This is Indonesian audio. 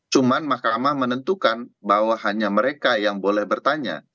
cuma mahkamah menentukan bahwa hanya mereka yang boleh bertanya